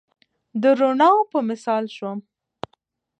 د روڼاوو په مثال شوم